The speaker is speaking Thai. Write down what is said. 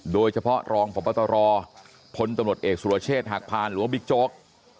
โดยเฉพาะรองพบตรพลตำรวจเอกสุรเชษฐ์หักพานหรือว่าบิ๊กโจ๊ก